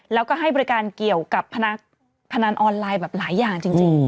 แล้วก็ให้บริการเกี่ยวกับพนันออนไลน์แบบหลายอย่างจริง